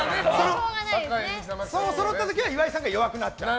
そろった時は岩井さんが弱くなっちゃう。